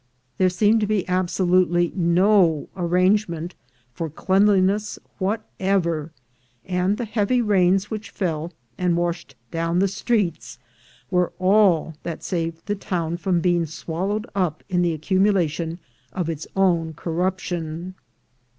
There seemed to be absolutely no arrangement for cleanliness what ever, and the heavy rains which fell, and washed down the streets, were all that saved the town from being swallowed up in the accumulation of its own corruption.